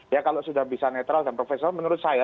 ya kalau sudah bisa netral dan profesional menurut saya